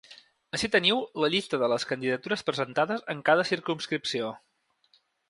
Ací teniu la llista de les candidatures presentades en cada circumscripció.